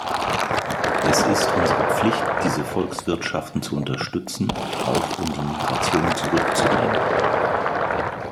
Es ist unsere Pflicht, diese Volkswirtschaften zu unterstützen, auch um die Migration zurückzudrängen.